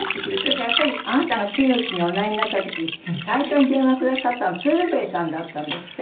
それからやっぱりあなたが真打ちにおなりになった時最初に電話くださったの鶴瓶さんだったんですって？